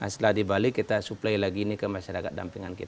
setelah dibalik kita supply lagi ini ke masyarakat damping